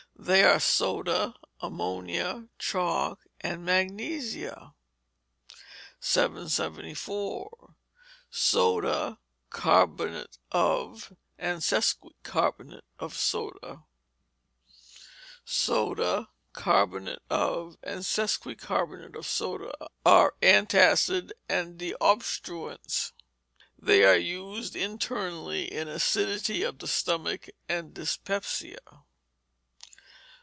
They are soda, ammonia, chalk, and magnesia. 774. Soda, Carbonate of, and Sesquicarbonate of Soda Soda, Carbonate of, and Sesquicarbonate of Soda, are antacids and deobstruents. They are used internally in acidity of the stomach and dyspepsia.